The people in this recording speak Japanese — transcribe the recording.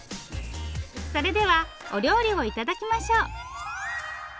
それではお料理を頂きましょう。